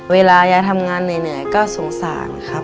เวลายายทำงานเหนื่อยก็สงสารครับ